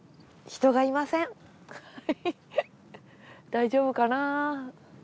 大丈夫かなぁ。